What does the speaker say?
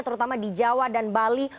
terutama di jawa dan bali